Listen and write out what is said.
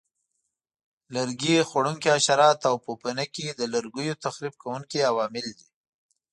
لرګي خوړونکي حشرات او پوپنکي د لرګیو تخریب کوونکي عوامل دي.